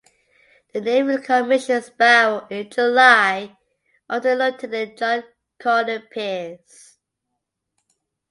The Navy commissioned "Sparrow" in July under Lieutenant John Cornet Pears.